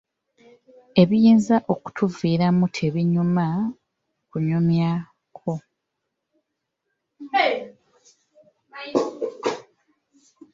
Ebiyinza okutuviiramu tebinyuma kunyumyako!